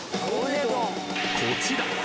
こちら！